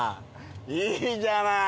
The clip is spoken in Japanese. いいじゃない。